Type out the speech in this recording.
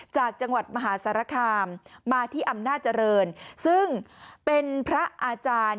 จากจังหวัดมหาสารคามมาที่อำนาจเจริญซึ่งเป็นพระอาจารย์